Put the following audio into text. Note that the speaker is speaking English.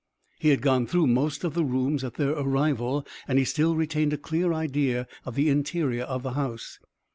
He had gone through most of the rooms at their arrival and he still retained a clear idea of the interior of the house.